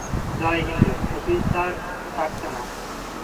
জয় হিন্দ, অফিসার সাক্সেনা।